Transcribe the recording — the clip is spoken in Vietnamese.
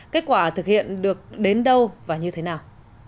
kết quả thực hiện được đến đâu và như thế nào